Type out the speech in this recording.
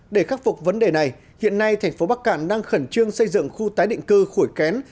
để khắc phục vấn đề này hiện nay thành phố bắc cạn đang khẩn trương xây dựng khu tái định cư khổi kén